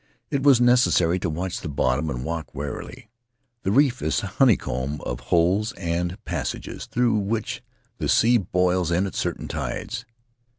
It was necessary to watch the bottom and walk warily; the reef is a honeycomb of holes and pas sages through which the sea boils in at certain tides.